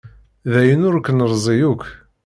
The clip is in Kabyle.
D ayen ur k-nerzi yakk.